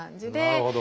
なるほど。